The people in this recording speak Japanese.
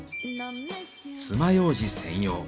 つまようじ専用。